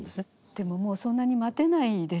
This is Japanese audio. でももうそんなに待てないです。